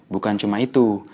bukan cuma itu